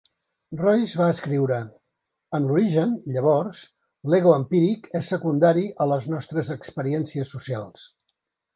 Royce va escriure: en l'origen, llavors, l'ego empíric és secundari a les nostres experiències socials.